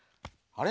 あれ？